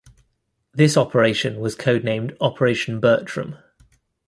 This operation was codenamed Operation Bertram.